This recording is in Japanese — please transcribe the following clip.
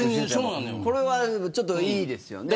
これはちょっといいですよね。